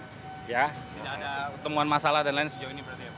tidak ada temuan masalah dan lain sejauh ini berarti ya pak